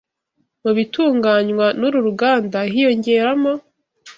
Mu bitunganywa n’uru ruganda hiyongeramo